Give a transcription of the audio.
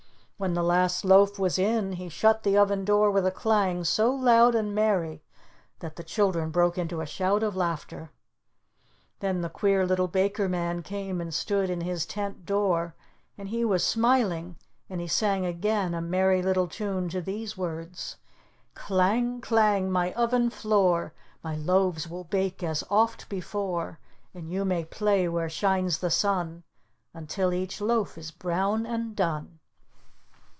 When the last loaf was in, he shut the oven door with a clang so loud and merry that the children broke into a shout of laughter. Then the Queer Little Baker Man came and stood in his tent door, and he was smiling, and he sang again a merry little tune to these words: "Clang, clang, my oven floor, My loaves will bake as oft before, And you may play where shines the sun Until each loaf is brown and done."